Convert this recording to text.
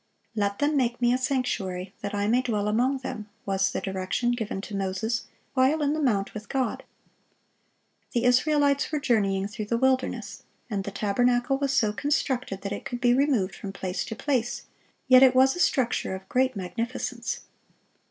"Let them make Me a sanctuary; that I may dwell among them,"(669) was the direction given to Moses while in the mount with God. The Israelites were journeying through the wilderness, and the tabernacle was so constructed that it could be removed from place to place; yet it was a structure of great magnificence.